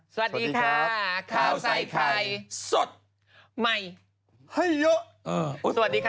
สวัสดีค่ะข้าวใส่ไข่สดใหม่ให้เยอะสวัสดีค่ะ